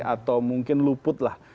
atau mungkin luput lah